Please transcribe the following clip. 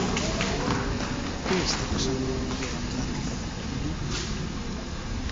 Que está pasando na Marea Atlántica da Coruña?